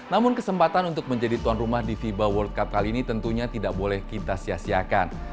namun kesempatan untuk menjadi tuan rumah di fiba world cup kali ini tentunya tidak boleh kita sia siakan